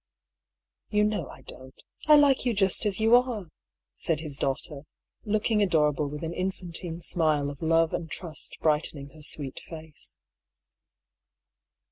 " You know I don't. I like you just as you are I " 34 DR. PAULL'S THEORY. said his daughter, looking adorable with an infantine smile of love and trust brightening her sweet face.